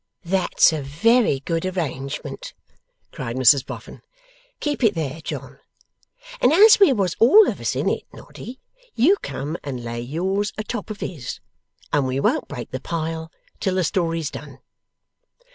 'That's a very good arrangement,' cried Mrs Boffin. 'Keep it there, John. And as we was all of us in it, Noddy you come and lay yours a top of his, and we won't break the pile till the story's done.